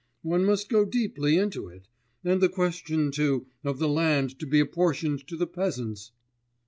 One must go deeply into it. And the question, too, of the land to be apportioned to the peasants....